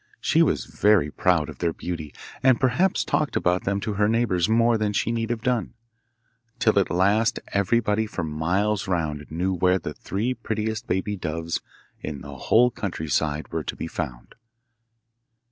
She was very proud of their beauty, and perhaps talked about them to her neighbours more than she need have done, till at last everybody for miles round knew where the three prettiest baby doves in the whole country side were to be found.